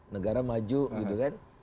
negara maju gitu kan